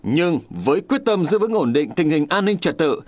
nhưng với quyết tâm giữ vững ổn định tình hình an ninh trật tự